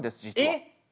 えっ！